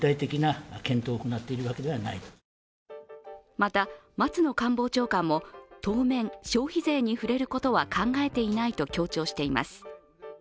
また松野官房長官も、当面消費税に触れることは考えていないと強調しています。